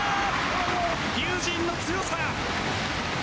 龍神の強さ。